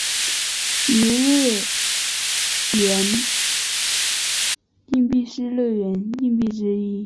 一日圆硬币是日圆硬币之一。